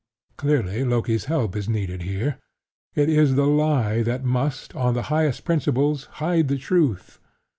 Clearly Loki's help is needed here: it is the Lie that must, on the highest principles, hide the Truth.